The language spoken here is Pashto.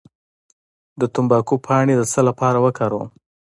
د تمباکو پاڼې د څه لپاره وکاروم؟